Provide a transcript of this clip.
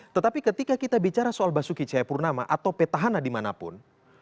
tetapi ketika kita bicara soal basuki cahayapurnama atau petahana dimanapun